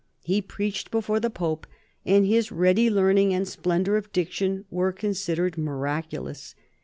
He preached before the Pope, and his ready learning and splendour of diction were con sidered miraculous.